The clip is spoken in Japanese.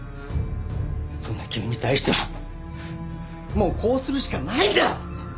そんな君に対してはもうこうするしかないんだ！